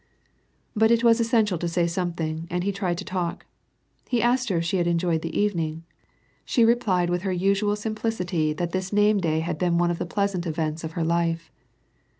But it was essential to S£Cy something, and he tried to talk. He asked her if she had enjoyed the evening. She rei)litnl vith her usual simplicity, that this name day had been one of the pleasant events of her life.